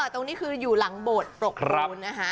ตรงนี้คืออยู่หลังโบสถ์ปรบคุณ